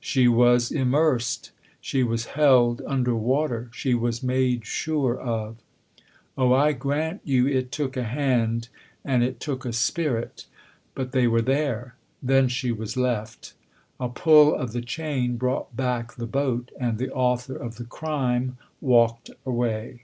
"She was immersed she was held under water she was made sure of. Oh, I grant you it took a hand and it took a spirit ! But they were there. Then she was left. A pull of the chain brought back the boat ; and the author of the crime walked away."